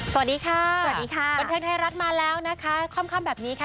สวัสดีค่ะสวัสดีค่ะบันเทิงไทยรัฐมาแล้วนะคะค่ำแบบนี้ค่ะ